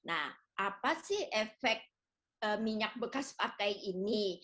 nah apa sih efek minyak bekas pakai ini